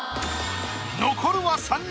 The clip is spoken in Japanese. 残るは三人！